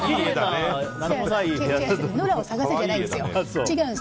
ノラを探せじゃないですよ！